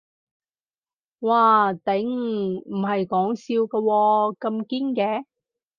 嘩頂，唔係講笑㗎喎，咁堅嘅